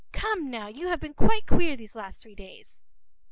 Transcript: Come, now, you have been quite queer these last three days.